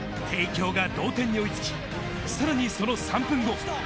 帝京が同点に追いつき、さらにその３分後。